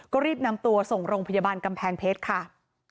ก็รีบนำตัวส่งโรงพยาบาลกำแพงเพชรค่ะ